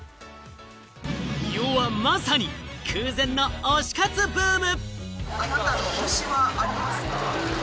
世はまさに空前の推し活ブーム。